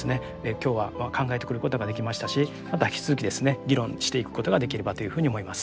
今日は考えてくることができましたしまた引き続きですね議論していくことができればというふうに思います。